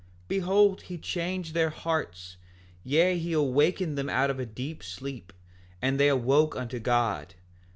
5:7 Behold, he changed their hearts; yea, he awakened them out of a deep sleep, and they awoke unto God.